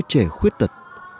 đứa trẻ khuyết tật